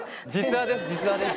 実話です